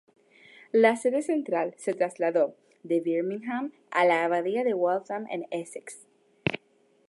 La sede central se trasladó de Birmingham a la Abadía de Waltham en Essex.